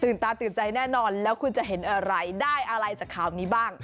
ตาตื่นใจแน่นอนแล้วคุณจะเห็นอะไรได้อะไรจากข่าวนี้บ้าง